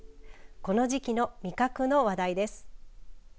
この時期の味覚の話題です。